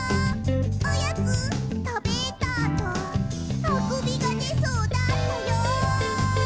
「おやつ、たべたあとあくびがでそうだったよ」